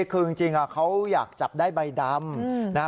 คือจริงเขาอยากจับได้ใบดำนะฮะ